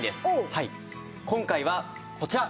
今回はこちら。